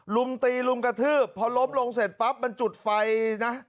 ลุมตีลุมกระทืบพอล้มลงเสร็จปั๊บมันจุดไฟนะ